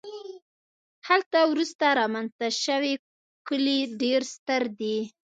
هلته وروسته رامنځته شوي کلي ډېر ستر دي